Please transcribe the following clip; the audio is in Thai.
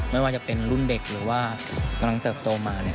ไม่ว่าจะเป็นรุ่นเด็กหรือว่ากำลังเติบโตมา